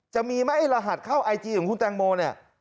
จะมีไหมไอ้รหัสเข้าไอจีของคุณแตงโมเนี่ย